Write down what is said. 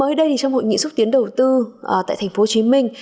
mới đây trong hội nghị xúc tiến đầu tư tại thành phố hồ chí minh